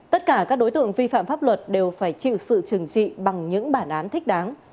tất cả các đối tượng vi phạm pháp luật đều phải chịu sự trừng trị bằng những bản án thích đáng